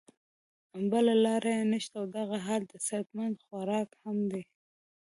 بله لار ئې نشته او دغه حال د صحت مند خوراک هم دے